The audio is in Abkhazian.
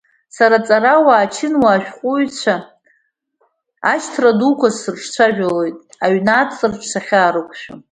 Сара аҵарауаа, ачынуаа, ашәҟәҩҩцәа, ашьҭрадуқәа срыҿцәажәалоит аҩны, аҵараҿы, сахьаарықәшәо.